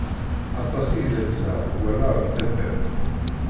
Aṭas i glalzeɣ deg wannar n taddart.